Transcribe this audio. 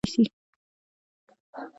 خو هوشیاران ورته غوږ نیسي.